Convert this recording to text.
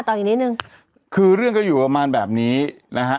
อีกนิดนึงคือเรื่องก็อยู่ประมาณแบบนี้นะฮะ